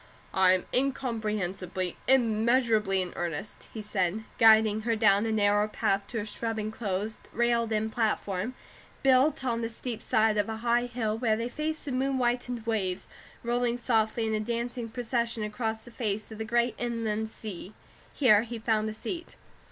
"I am incomprehensibly, immeasurably in earnest," he said, guiding her down a narrow path to a shrub enclosed, railed in platform, built on the steep side of a high hill, where they faced the moon whitened waves, rolling softly in a dancing procession across the face of the great inland sea. Here he found a seat.